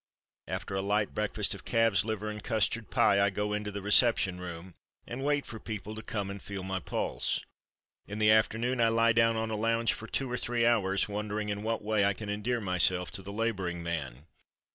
After a light breakfast of calf's liver and custard pie I go into the reception room and wait for people to come and feel my pulse. In the afternoon I lie down on a lounge for two or three hours, wondering in what way I can endear myself to the laboring man.